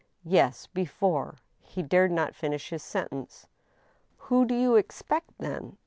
"Yes; before—" He dared not finish his sentence." " Who do you expect, then